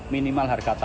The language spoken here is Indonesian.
minimal harga tumbuh